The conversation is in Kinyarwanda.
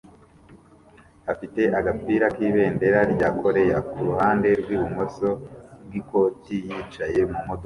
afite agapira k ibendera rya koreya kuruhande rwibumoso bwikoti yicaye mumodoka